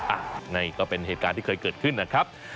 อันนี้ก็เป็นเหตุการณ์ที่เคยเกิดขึ้นนะครับ